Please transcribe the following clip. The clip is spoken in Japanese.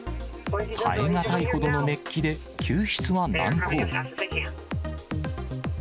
耐え難いほどの熱気で、救出は難航。